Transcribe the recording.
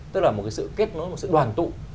tức là một cái sự kết nối một sự đoàn tụ